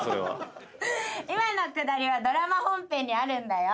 今のくだりはドラマ本編にあるんだよ。